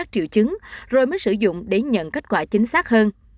triệu chứng rồi mới sử dụng để nhận kết quả chính xác hơn